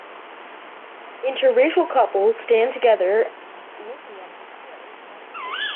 Interracial couple stand together looking at a display on street